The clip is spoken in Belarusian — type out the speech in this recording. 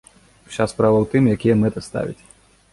Уся справа ў тым, якія мэты ставіць.